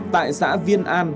tại xã viên an